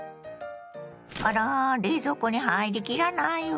あら冷蔵庫に入り切らないわ。